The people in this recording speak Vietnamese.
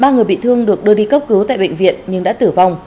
ba người bị thương được đưa đi cấp cứu tại bệnh viện nhưng đã tử vong